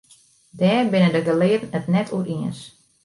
Dêr binne de gelearden it net oer iens.